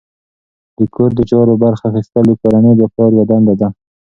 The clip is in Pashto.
د کور د چارو برخه اخیستل د کورنۍ د پلار یوه دنده ده.